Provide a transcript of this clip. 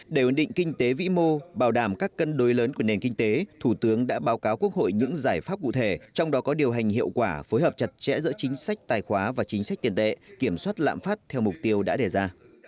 để ứng định kinh tế vĩ mô bảo đảm các cân đối lớn của nền kinh tế thủ tướng đã báo cáo quốc hội những giải pháp cụ thể trong đó có điều hành hiệu quả phối hợp chặt chẽ giữa chính sách tài khoá và chính sách tiền tệ kiểm soát lạm phát theo mục tiêu đã đề ra